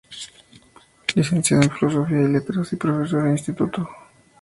Licenciado en Filosofía y Letras y Profesor de Instituto.